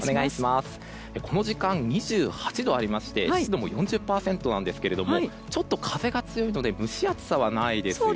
この時間２８度ありまして湿度も４０％なんですけれどもちょっと風が強いので蒸し暑さはないですよね。